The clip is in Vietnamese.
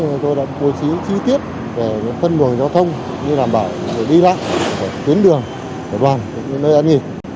ngôi chí chi tiết để phân luồng giao thông như đảm bảo để đi lại tuyến đường đoàn nơi ăn nghỉ